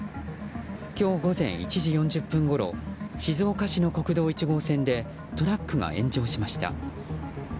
今日午前１時４０分ごろ静岡市の国道１号線でトラックが炎上しました。